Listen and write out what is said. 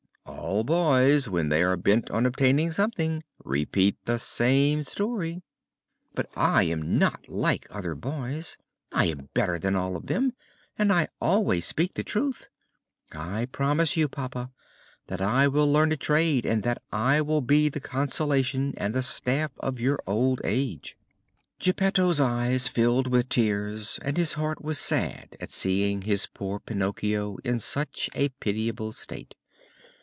"All boys, when they are bent on obtaining something, repeat the same story." "But I am not like other boys! I am better than all of them and I always speak the truth. I promise you, papa, that I will learn a trade and that I will be the consolation and the staff of your old age." Geppetto's eyes filled with tears and his heart was sad at seeing his poor Pinocchio in such a pitiable state.